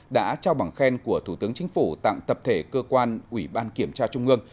đã trao bằng khen của thủ tướng chính phủ tặng tập thể cơ quan ủy ban kiểm tra trung ương